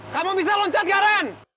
kamu bisa loncat garen